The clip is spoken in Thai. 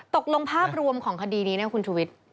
ตกลงภาพรวมของคดีนี้นะคุณชุวิต